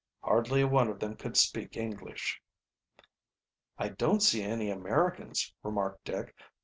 Hardly a one of them could speak English. "I don't see any Americans," remarked Dick.